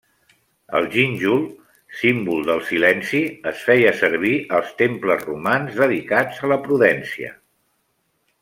El gínjol, símbol del silenci, es feia servir als temples romans dedicats a la prudència.